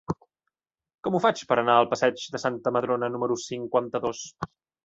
Com ho faig per anar al passeig de Santa Madrona número cinquanta-dos?